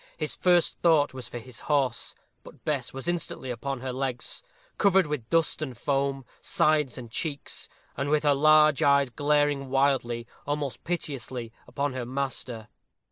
His first thought was for his horse. But Bess was instantly upon her legs covered with dust and foam, sides and cheeks and with her large eyes glaring wildly, almost piteously, upon her master.